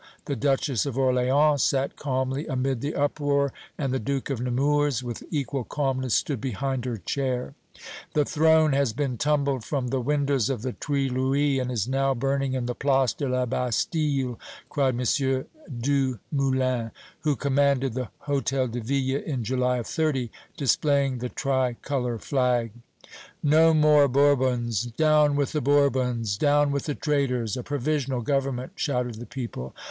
The Duchess of Orléans sat calmly amid the uproar, and the Duke of Nemours with equal calmness stood behind her chair. "The throne has been tumbled from the windows of the Tuileries and is now burning in the Place de la Bastille!" cried M. Dumoulin, who commanded the Hôtel de Ville in July of '30, displaying the tri color flag. "No more Bourbons! Down with the Bourbons! Down with the traitors! A provisional government!" shouted the people.